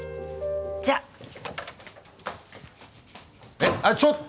えっあれちょっ！